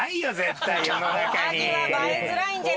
おはぎは映えづらいんじゃないの？